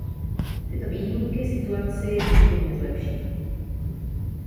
Tyto výjimky situaci nijak nezlepší.